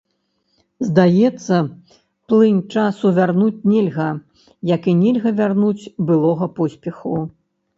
Здаецца, плынь часу вярнуць нельга, як і нельга вярнуць былога поспеху.